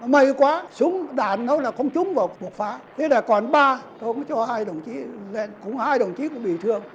may quá súng đạn nó là không trúng vào bột phá thế là còn ba tôi cũng cho hai đồng chí lên cũng hai đồng chí cũng bị thương